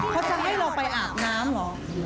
เขาจะให้เราไปอาบน้ำเหรอ